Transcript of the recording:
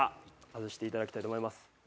外して頂きたいと思います。